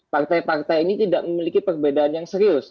partai partai ini tidak memiliki perbedaan yang serius